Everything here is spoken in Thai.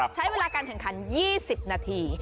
ใช้เวลาการแข่งขัน๒๐นาที